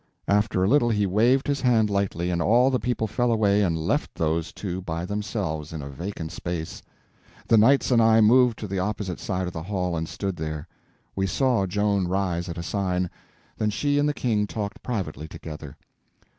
After a little he waved his hand lightly, and all the people fell away and left those two by themselves in a vacant space. The knights and I moved to the opposite side of the hall and stood there. We saw Joan rise at a sign, then she and the King talked privately together.